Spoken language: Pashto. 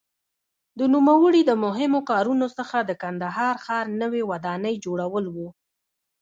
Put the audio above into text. د نوموړي د مهمو کارونو څخه د کندهار ښار نوې ودانۍ جوړول وو.